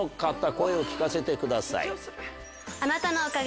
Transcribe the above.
声を聞かせてください。